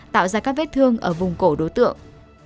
tạo ra các vết thương ở vùng cổ đối tượng